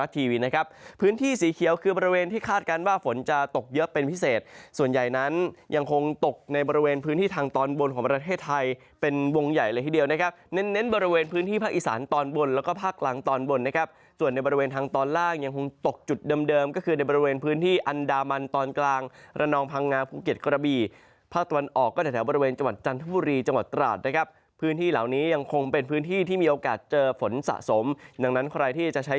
ทีเดียวนะครับเน้นบริเวณพื้นที่ภาคอีสานตอนบนแล้วก็ภาคกลางตอนบนนะครับส่วนในบริเวณทางตอนล่างยังคงตกจุดเดิมก็คือในบริเวณพื้นที่อันดามันตอนกลางระนองพังงาภูเก็ตกระบีภาคตะวันออกก็จะแถวบริเวณจังหวัดจันทบุรีจังหวัดตราดนะครับพื้นที่เหล่านี้ยังคงเป็นพื้นที่ที่